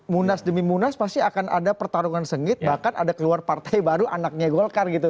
munas demi munas pasti akan ada pertarungan sengit bahkan ada keluar partai baru anaknya golkar gitu